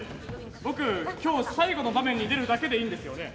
僕今日最後の場面に出るだけでいいんですよね？